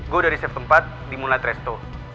gue udah riset tempat di moonlight resto